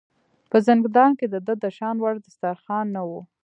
په زندان کې د ده د شان وړ دسترخوان نه و.